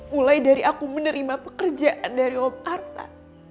mulai dari aku menerima pekerjaan dari om arta